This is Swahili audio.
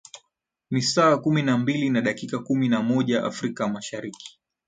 ni saa kumi na mbili na dakika kumi na moja afrika mashariki